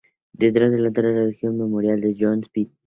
Detrás del altar se erigió un memorial a John Speed.